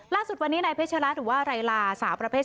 ล่าสุดวันนี้ในเพชรรัฐหรือว่าไรลา